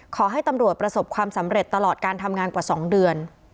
ขอให้ตำรวจประสบความสำเร็จตลอดการทำงานกว่า๒เดือน